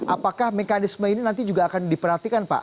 apakah mekanisme ini nanti juga akan diperhatikan pak